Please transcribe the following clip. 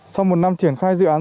sau một năm triển khai dự án